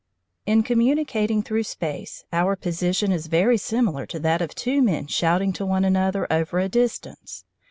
In communicating through space, our position is very similar to that of two men shouting to one another over a distance.